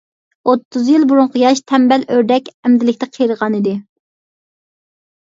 ئوتتۇز يىل بۇرۇنقى ياش، تەمبەل ئۆردەك ئەمدىلىكتە قېرىغانىدى.